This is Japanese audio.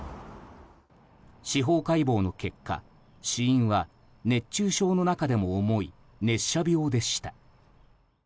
司法解剖の結果、死因は熱中症の中でも重い熱射病でした。